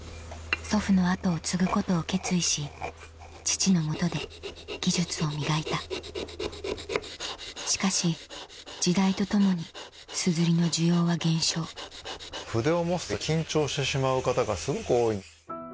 祖父の後を継ぐことを決意し父の元で技術を磨いたしかし時代とともに筆を持つと緊張してしまう方がすごく多い。